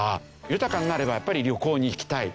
豊かになればやっぱり旅行に行きたい。